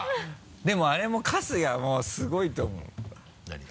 でもあれも春日もすごいと思う何が？